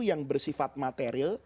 yang bersifat material